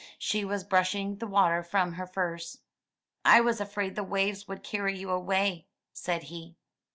She was brushing the water from her furs. '1 was afraid the waves would carry you away," said he.